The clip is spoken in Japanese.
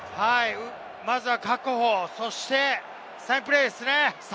まずは確保、そしてサインプレーですね。